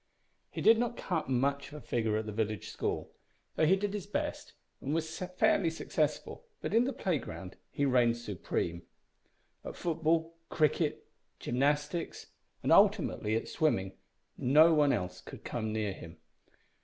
He did not cut much of a figure at the village school though he did his best, and was fairly successful but in the playground he reigned supreme. At football, cricket, gymnastics, and, ultimately, at swimming, no one could come near him.